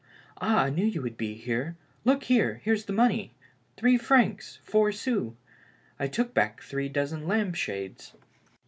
Ah, I knew you would be here. Look here, there's the money — three francs, four sous. I took back three dozen lampshades."